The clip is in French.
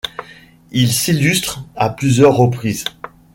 Il s'illustre à plusieurs reprises.